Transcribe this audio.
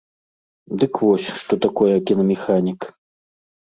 Дык вось, што такое кінамеханік.